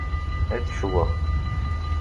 Ečč wa.